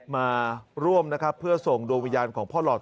มาร่วมนะครับเพื่อส่งดวงวิญญาณของพ่อหลอด